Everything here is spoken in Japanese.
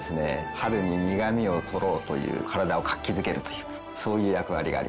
春に苦みをとろうという体を活気づけるというそういう役割があります。